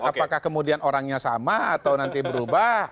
apakah kemudian orangnya sama atau nanti berubah